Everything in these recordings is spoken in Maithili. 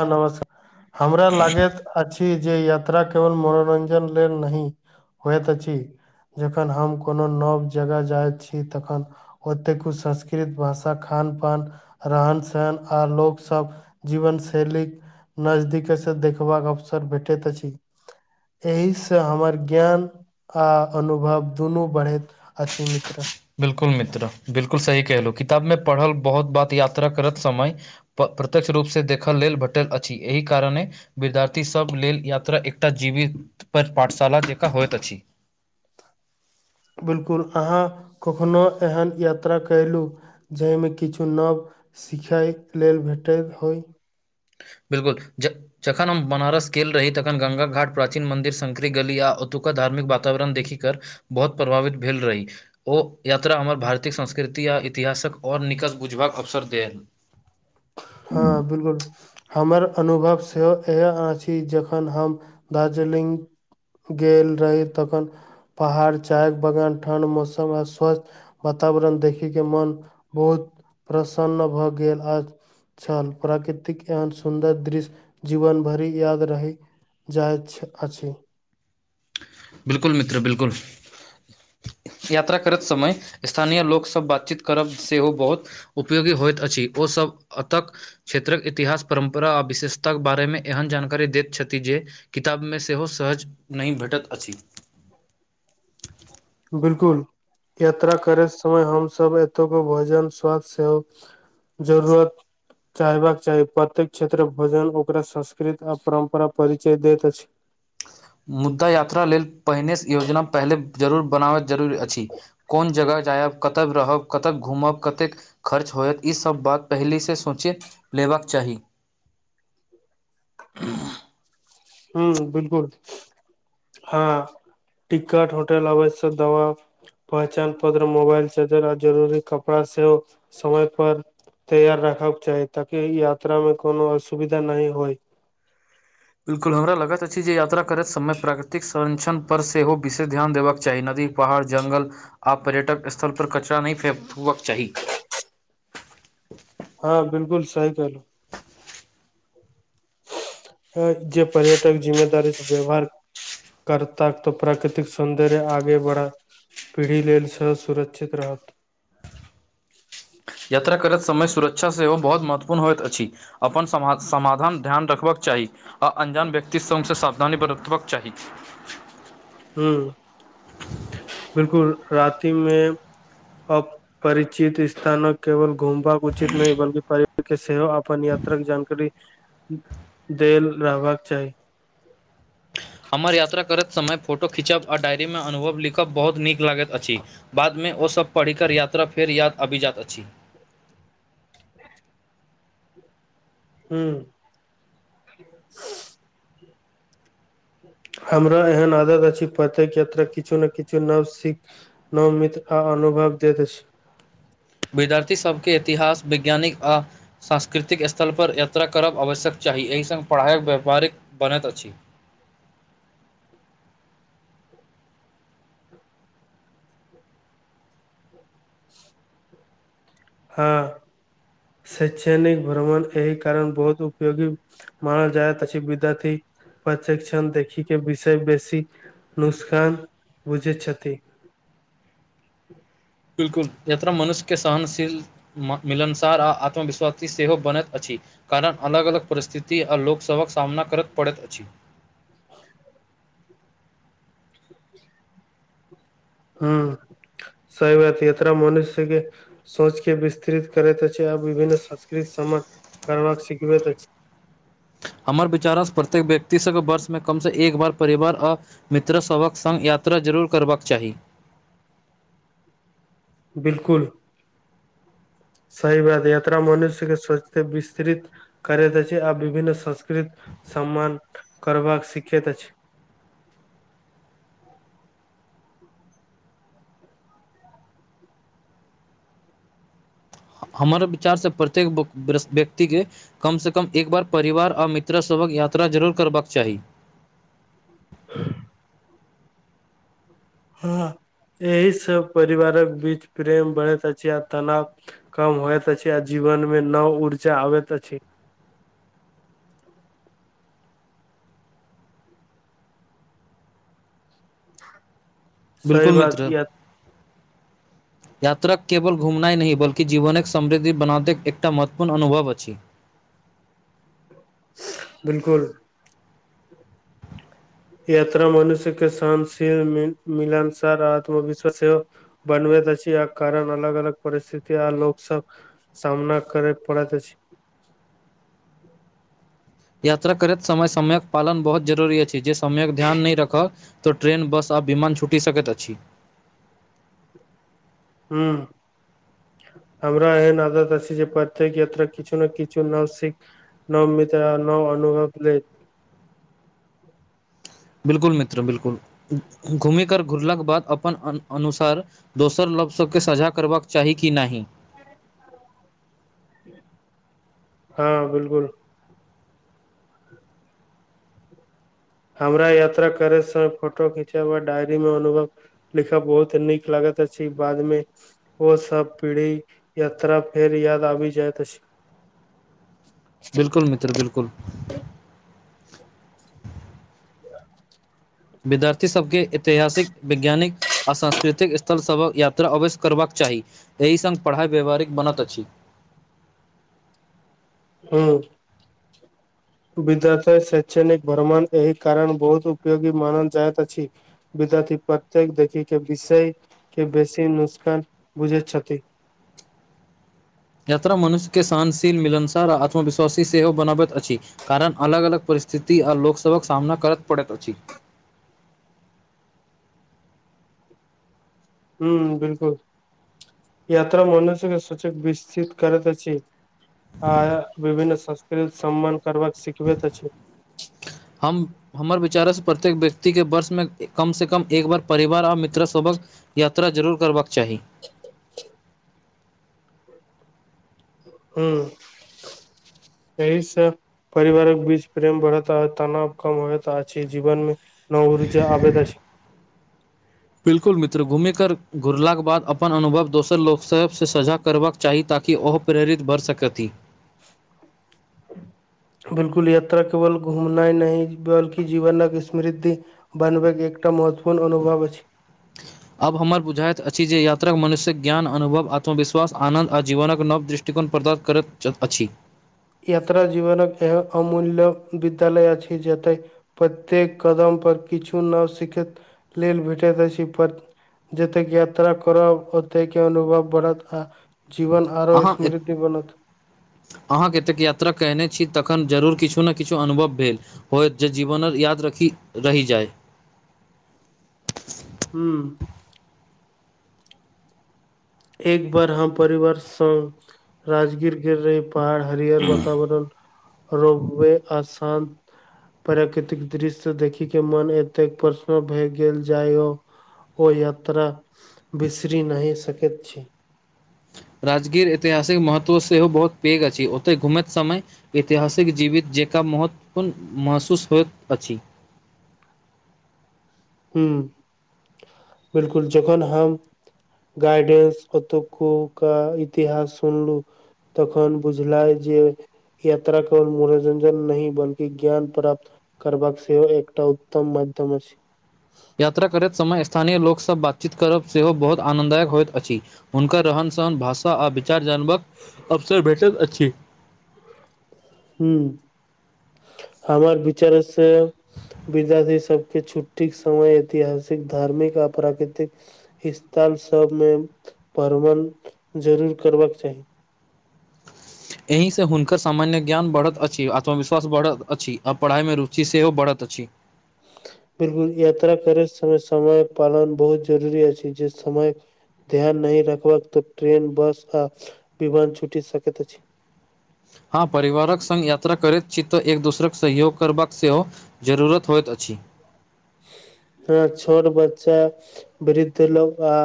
हँ नमस् [unintelligible] कार हमरा लागैत। अछि जे यात्रा केवल मनोरञ्जन लेल नहि होयत अछि। जखन हम कोनो नव जगह जाइत छी तखन। ओतेक कुछ संस्कृत भाषा खान पान। रहन सहन आ लोक सब जीवन से। शैेलीक नजदीकसँ देखबाक अवसर भेटैत अछि। एहि सँ हमर ज्ञान। आ अनुभव दुनू बढ़ैत अछि मित्र। बिल्कुल मित्र बिल्कुल सही कहलु किताब मे पढ़ल बहुत बात यात्रा करत समय प प्रत्यक्ष रूपसँ देखऽ लेल भेटैत अछि एहि कारणे विद्यार्थीसभ लेल यात्रा एकटा जीवित पर पाठशाला जकाँ होइत अछि। बिल्कुल अहाँ कखनो एहन यात्रा कैलु। जैमे किछु नव सिखय लेल भेटैत होइ। बिल्कुल ज जखन हम बनारस गेल रही तखन गंगा घाट प्राचीन मन्दिर शंकरी गली आ अओतुका धार्मिक वातावरण देखि कर बहुत प्रभावित भेल रही। ओ यात्रा हमर भारतीय संस्कृति आ इतिहासक आओर निकट बुझबाक अवसर देल। हँ बिल्कुल हमर अनुभव सेहो इहे अछि। कि जखन हम दार्जिलिंग गेल रही तखन। पहाड़ चाय बगान ठण्ड मौसम आ स्वस्थ वातावरण देखिके मन बहुत प्रसन्न भऽ गेल आ छल प्राकृतिक एहन सुन्दर दृश्य जीवन भरि याद रही जाइछ अछि। बिल्कुल मित्र बिल्कुल। यात्रा करैत समय स्थानीय लोकसब बातचीत करब सेहो बहुत उपयोगी होइत अछि ओसभ अतक क्षेत्रक इतिहास परम्परा आ विशेषताके बारेमे एहन जानकारी दैत छथि जे किताबमे सेहो सहज नहि भेटत अछि। [inaudible] बिलकुल यात्रा करे समय हमसभ एतुको भोजन स्वाद सेहो जरूरत चाहेबाक चाही प्रत्येक क्षेत्र भोजन ओकरा संस्कृत आ परम्परा परिचय दैत अछि मुद्दा यात्रा लेल पहिनेसँ योजना पहिले जरूर बनाबै जरूरी अछि कोन जगह जायब कतय रहब कतय घूमब कतेक खर्च होयत ई सब बात पहिलि से सोचे लेबाक चाही [inaudible] हुँ बिलकुल हँ टिकट होटेल अवैश्यक दवा पहचान पत्र मोबाइल चार्जर आ जरूरी कपड़ा सेहो समय पर तैयार राखब चाही ताकि यात्रा मे कोनो असुविधा नहि होइत बिल्कल हमरा लगत अछि जे यात्रा करैत समय प्राकृतिक संरक्षण पर सेहो विशेष ध्यान देबाक चाही नदी पहाड़ जंगल आब पर्यटक स्थल पर कचरा नहि फे फुबाक चाही हँ बिल्कुल सही कहलहु हँ जे पर्यटक जिम्मेदारी सँ व्यवहार करता तऽ प्राकृतिक सौन्दर्य आगे बढ़त पीढ़ी लेल सेहो सुरक्षित रहत यात्रा करैत समय सुरक्षा सेहो बहुत महत्वपूर्ण होइत अछि अपन समा समाधान ध्यान रखबाक चाही आ अन्जान व्यक्ति स्वसँ सावधानी बरतबाक चाही हुँ बिलकुल रातिमे अ परिचित स्थानक केवल घुमबाक उचित नहि बलकी पर्यव के सेहो अपन यात्राक जानकारी देल रहबाक चाही हमर यात्रा करैत समय फोटो खिचब आ डायरीमे अनुभव लिखब बहुत नीक लागैत अछि बादमे ओसभ पढ़िकर यात्रा फेर याद अबिजात अछि हुँ हमरा एहन आदत अछि प्रतेक यात्रा किछो नऽ किछो नव सिख नमित आ अनुभव दैत अछि विद्यार्थी सबके इतिहास वैज्ञानिक आ सांस्कृतिक स्थलपर यात्रा करब आवश्यक चाही एहि संग पढ़ाइक व्यापारिक बनैत अछि [inaudible] हँ शैषणिक भ्रमण एहि कारण बहुत उपयोगी मानल जायत अछि विद्यार्थी प्रशेक्षण देखिक केँ विषय बेसी नुस्कान बुझै छथि बिलकुल यात्रा मनुष्य केँ सहनशील म मिलनसार आ आत्मविश्वासी सेहो बनैत अछि कारण अलग अलग परिस्थिति आ लोक सभक सामना करत पड़ैत अछि [inaudible] हुँ सही बात यात्रा मनुष्य केँ सोच केँ विस्तृत करैत अछि आ विभिन्न संस्कृत समान करबाक सिखबैत अछि हमर विचारसँ प्रत्येक व्यक्तिसँके वर्षमे कमसँ एक बार परिवार आ मित्रसभक संग यात्रा जरूर करबाक चाही बिलकुल सही बात यात्रा मनुष्य केँ सोच केँ विस्तृत करैत अछि आ विभिन्न संस्कृत सम्मान करबाक सिखैत अछि हमारा विचारसँ प्रत्येक व्यक्तिके कम से कम एक बार परिवार आ मित्र सभक यात्रा जरूर करबाक चाही ह [unintelligible] हँ एहि सब परिवारक बीच प्रेम बढ़ैत अछि आ तनाव कम होयत अछि आ जीवन मे नव ऊर्जा आबैत अछि [inaudible] बिल्कुल बात मित्र य यात्राक केवल घुमनाइ नहि बल्कि जीवनक समृद्धि बनाते एकटा महत्वपूर्ण अनुभव अछि बिल्कुल यात्रा मनुष्य के सहनशील मिलानसार आत्मविश्वासेवा बनबैत अछी कारण अलग अलग परिस्थिति आ लोकसभ सामना करय पड़ैत अछि यात्रा करैत समय समयक पालन बहुत जरूरी अछि जे समेयक ध्यान नय रखब तऽ ट्रेरेन बस आ विमान छूटी सकैत अछि हूँ हमरा एहन आदत अछी जे प्रत्येक यात्रा किछु न किछु नासिक नो मित्र नो अनुभव प्ली बिल्कुल मित्र बिल्कुल घूमी कर घुरलाके बाद अपन अनुसार दोसर लोक सभ केँ साझा करबाक चाही कि नाहि ह [unintelligible] हँ बिल्कुल हमरा यात्रा कर स फोटो खिंचेब डायरी मे अनुभव लिखब बहुत नीक लागत अछि बाद मे ओ सब पीढ़ी यात्रा फेर याद आबि जायइत अछि बिल्कुल मित्र बिल्कुल विद्यार्थी सबके ऐतिहासिक वैज्ञानिक अ सस्कृतिक स्थल सभक यात्रा अवश्य करबाक चाही एहि संग पढ़ाइ व्यवहारिक बनत अछि हूं विद्यार्थय शै्षणिक भरमण एहि कारण बहुत उपयगी मान जात अछि विदार्थी प्रक्येक देखिक के विषय के बेसी नुस्कान बुझैत छथि यात्रा मनुष्य के सहनशील मिलनसार आ आत्मविश्वासी सेहो बनाबैत अछि कारण अलग अलग परिस्थिति आ लोकसभक सामना करत पड़त अछि हूं बिल्कुल यात्रा मनसके सचक विससित करैत अछि आ विभिन्न संस्कृत सम्मन करबा सिखबेैत अछि हम हमर विचार स प्रत्येक व्यक्ति के वर्ष मे कम से कम एक बार परिवार आओर मित्र सबक यात्रा जरूर करबाक चाही हँ अहि से परिवारक बीच प्रेम बढ़तह तनाव कम होयत अछि जीवन मे नव ऊर्जा आबैत अछि बिल्कुल मित्र घुमि कर घुरलाके बाद अपन अनुभव दोसर लोक सब से सझा करबाक चाही ताकि ओहो प्रेरित बड़ सकरति बिल्कुल यात्रा केवल घुमनाय नय बल्कि जीवनक अस्मृधि बनबय के एकटा महत्वपूर्ण अनुभव अछि आब हमर बुझाइत अछि जे यात्रा मनुष्यक ज्ञान अनुभव आत्मवश्वास आनंद आ जीवनक नव दृश टिकोन प्रदात करत च अछि यात्रा जीवनक येह अमूल्य बितल अछि जेतय प्रत्येक कदम पर किछु नव सिखैत लेल भेटैत अछि पर। जतेक यात्रा करब ओते के अनुभव बढ़त आ जीवन आरो अहाँ स्मृति बनत। अहाँ केतेक यात्रा कयने छी तखन जरूर किछु ने किछु अनुभव भेल। होयत जे जीवनल याद रखी रहि जाय। हुँ। एक बार हम परिवार संग राजगीर गेल रही। पहाड़ हरियर बातावरण रोपबे आ शान्त प्राकृतिक दृश्य देखी के मोन एतेक प्रसनो भए गेल जायो ओ यात्रा बिसरी नहि सकैत छी। राजगीर ऐतिहासिक महत्व सेहो बहुत पैघ अछि ओतय घुमैत समय ऐतिहासिक जीवित जेकाँ महत्वपूर्ण महसूस होइत अछि। हुँ बिल्कुल जखन आब गाइडेंस ओतुको के इतिहास सुनलु तखन बुझलाय जे यात्रा केवल मनोरंजन नहि बल्कि ज्ञान प्राप्त करबाक सेहो एकटा उत्तम माध्यम अछि। यात्रा करैत समय स्थानीय लोक सँ बातचीत करब सेहो बहुत आनन्ददायक होइत अछि। हुनकर रहन सहन भाषा आ विचार जानबाक अवसर भेटैत अछि। हूँ हमर विचार से विद्यार्थी सबके छुट्टीके समय ऐतिहासिक धार्मिक आ प्राकृतिक इसथान सब मे भरवन जरूर करबाक चाही। एहिसे हुनकर सामान्य ज्ञान बढ़त अछि आत्मविश्वास बढ़त अछि आ पढ़ाइ मे रुचि सेहो बढ़त अछि। बिल्कुल यात्रा करैत समय समय पालन बहुत जरूरी अछि जे समय। ध्यान नहि रखबक तऽ ट्रेन बस आ विमान छुटि सकैत अछि। हँ परिवारक संग यात्रा करैत छी तऽ एक दोसरक सहयोग करबाक सेहो जरूरत होइत अछि। हँ छोर बच्चा वृद्ध लोक आ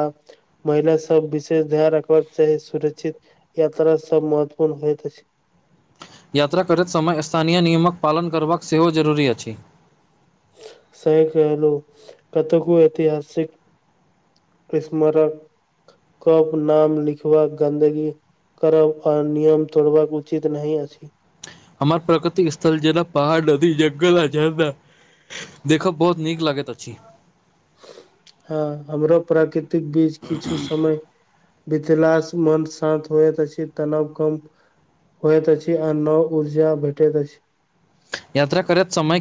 महिला सब विशेष ध्यान रखबाक चाही सुरक्षित यात्रा सब महत्वपूर्ण होइत अछि। यात्रा करैत समय स्थानीय नियमक पालन करबाक सेहो जरूरी अछि। सही कहलु कतेको ऐतिहासिक स्मारक कप नाम लिखबाक गन्दगी करब आ नियम तोड़बाक उचित नहि अछि। हमर प्रकृतिक स्थल जेना पहाड़ नदी जंगल आ झरना देखब बहुत नीक लागैत अछि। हँ हमरो प्राकृतिक बीज किछु समय बितेलास मन शान्त होयत अछि तनाव कम होयत अछि आ नव ऊर्जा भेटैत अछि। यात्रा करैत समय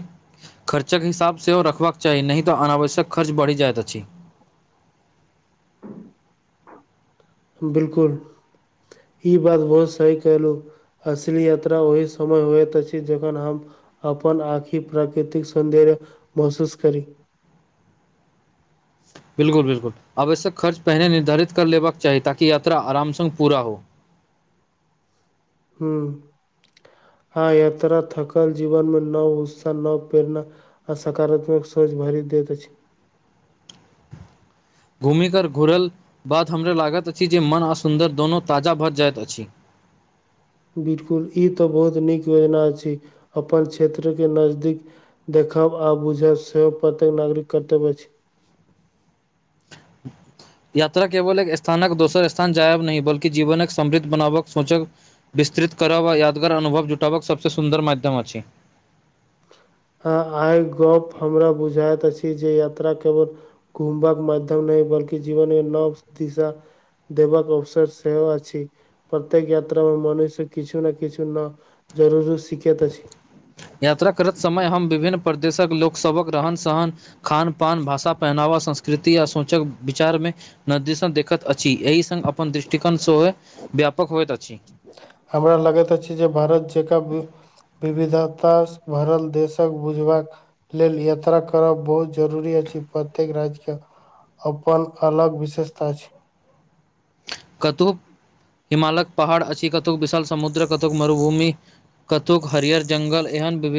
खर्चक हिसाब सेहो रखबाक चाही नहि तऽ अनावश्यक खर्च बढ़ि जाइत अछि। बिल्कुल ई बात बहुत सही कहलू असली यात्रा ओहि समय होइत अछि जखन हम अपन आँखि प्राकृतिक सौन्दर्य महसूस करी। बिल्कुल बिल्कुल आवश्यक खर्च पहिने निर्धारित कर लेबाक चाही ताकि यात्रा आरामसँ पूरा हो। हुँ आ यात्रा थकल जीवन मे नव उत्सा नव प्रेरणा आ सकारात्मक सोच भरि दैत अछि। घुमिकर घुरल बाद हमरा लागैत अछि जे मन आ सुन्दर दोनो ताजा भऽ जाइत अछि। बिलकुल ई तऽ बहुत नीक योजना छै अपन क्षेत्र के नजदीक। देखब आ बुझब सेहो प्रत्येक नागरिक कर्तव्य अछि। [inaudible] यात्रा केवल एक स्थानक दोसर स्थान जायब नहि बल्कि जीवनक समृद्ध बनावक सोचक विस्तृत करब आ यादगार अनुभव जुटबक सभसँ सुन्दर माध्यम अछि। हँ आहाँक गप्प हमरा बुझाइत अछि जे यात्रा केवल घुमबक माध्यम नहि बल्कि जीवनमे नव दिशा देबाक अवसर सेहो अछि प्रत्येक यात्रा मे मनुष्य किछु ने किछु नव जरूरी शिखैत अछि। यात्रा करत समय हम विभिन्न परदेशक लोक सबक रहन सहन। खान पान भाषा पहनावा संस्कृति आ सोंचक विचारमे नदीसन देखैत अछि एहि संग अपन दृष्टिकोण सेहो व्यापक होइत अछि। हमरा लगैत अछि जे भारत जेकाँ भी विविदातास भरल देशक बुझबाक लेल यात्रा करब बहुत जरूरी अछि प्रत्येक राजके अपन अलग विशेषता छी। कतुक हिमालक पहाड़ अछि कतुक विशाल समुद्र कतुक मरुभूमि कतुक हरियर जंगल एहन विभिन्न